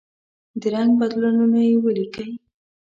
د رنګ بدلونونه یې ولیکئ.